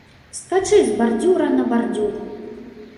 Скачы з бардзюра на бардзюр!